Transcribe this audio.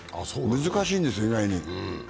難しいんですよ、意外に。